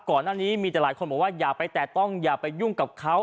ก่อนหน้านี้มีแต่หลายคนบอกว่าอย่าไปแตะต้องอย่าไปยุ่งกับเขา